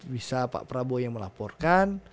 bisa pak prabowo yang melaporkan